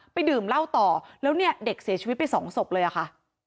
ดื่มเหล้าต่อแล้วเนี่ยเด็กเสียชีวิตไปสองศพเลยอะค่ะ